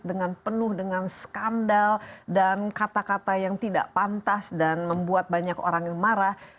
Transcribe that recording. dengan penuh dengan skandal dan kata kata yang tidak pantas dan membuat banyak orang yang marah